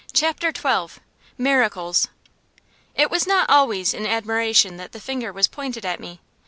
CHAPTER XII MIRACLES It was not always in admiration that the finger was pointed at me.